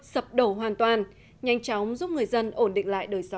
sập đổ hoàn toàn nhanh chóng giúp người dân ổn định